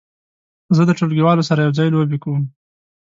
زه د ټولګیوالو سره یو ځای لوبې کوم.